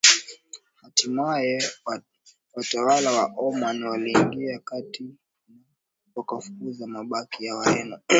Hatimaye watawala wa Omani waliingilia kati na kuwafukuza mabaki ya Wareno